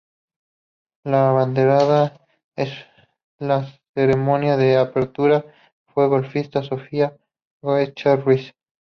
La abanderada en la ceremonia de apertura fue la golfista Sofía Goicoechea Ruíz.